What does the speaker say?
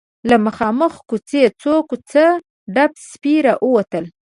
له مخامخ کوڅې څو کوڅه ډب سپي راووتل.